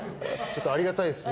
ありがたいですね。